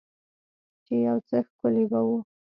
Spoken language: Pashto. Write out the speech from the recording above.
چې يو څه ښکلي به وو.